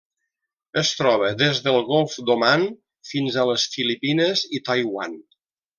Es troba des del Golf d'Oman fins a les Filipines i Taiwan.